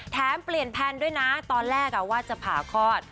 แถมเปลี่ยนแพลนด้วยนะตอนแรกว่าจะผ่าคลอด